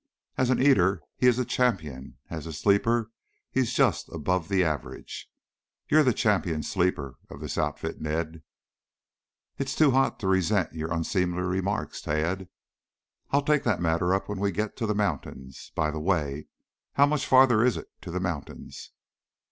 "As an eater he is a champion, as a sleeper he is just above the average. You're the champion sleeper of this outfit, Ned." "It's too hot to resent your unseemly remarks, Tad. I'll take that matter up when we get to the mountains. By the way, how much farther is it to the mountains?"